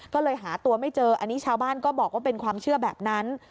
ก็เลยหาตัวไม่เจออันนี้ชาวบ้านก็บอกว่าเป็นความเชื่อแบบนั้น